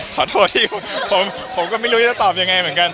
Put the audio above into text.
ขอโทษอยู่ผมก็ไม่รู้จะตอบยังไงเหมือนกัน